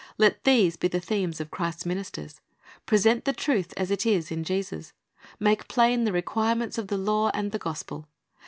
Let these be the themes of Christ's ministers. Present the truth as it is in Jesus. Make plain the requirements of the law and the gospel.